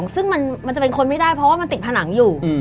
ซึ่งมันจะเป็นคนไม่ได้เพราะว่ามันติดผนังอยู่